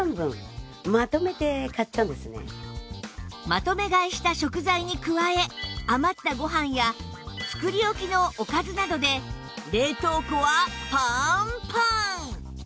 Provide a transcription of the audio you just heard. まとめ買いした食材に加え余ったご飯や作り置きのおかずなどで冷凍庫はパンパン